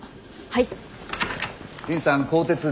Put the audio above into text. はい。